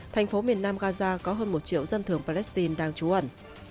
thành phố miền nam gaza có hơn một triệu dân thường palestine đang trú ẩn